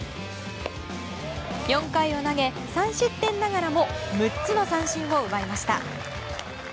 ４回を投げ、３失点ながらも６つの三振を奪いました。